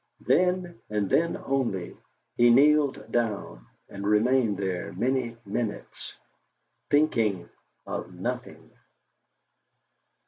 Then, and then only, he kneeled down, and remained there many minutes, thinking of nothing.